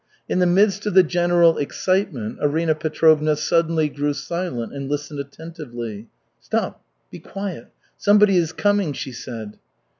In the midst of the general excitement, Arina Petrovna suddenly grew silent and listened attentively. "Stop, be quiet. Somebody is coming," she said.